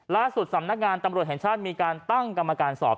ล่าสุดสำนักงานตำรวจแห่งชาติมีการตั้งกรรมการสอบ